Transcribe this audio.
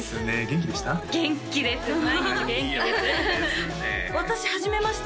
元気です